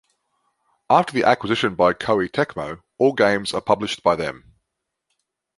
After the acquisition by Koei Tecmo, all games are published by them.